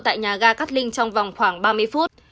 tại nhà ga cát linh trong vòng khoảng ba mươi phút